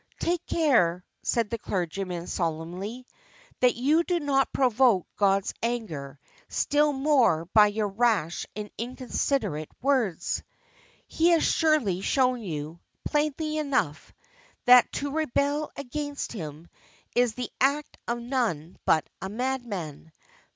'Take care,' said the clergyman, solemnly, 'that you do not provoke God's anger still more by your rash and inconsiderate words. He has surely shown you, plainly enough, that to rebel against Him is the act of none but a madman.